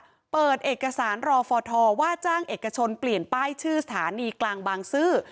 ก็เปิดเอกสารรอฟทว่าจ้างเอกชนเปลี่ยนป้ายชื่อสถานีกลางบางซื่อ